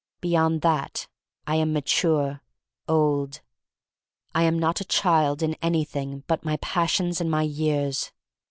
Beyond that I am mature — old. I am not a child in anything but my passions and my years.